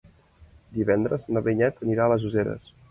Divendres na Vinyet anirà a les Useres.